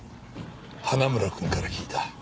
花村くんから聞いた。